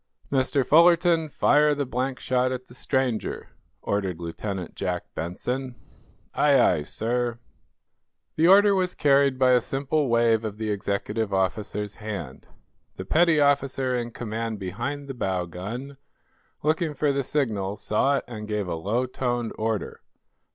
"Mr. Fullerton, fire the blank shot at the stranger," ordered Lieutenant Jack Benson. "Aye, aye, sir." The order was carried by a simple wave of the executive officer's hand. The petty officer in command behind the bow gun, looking for the signal, saw it and gave a low toned order.